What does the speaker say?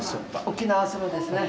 沖縄そばですね。